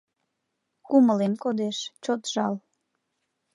Кумылем кодеш, чот жал.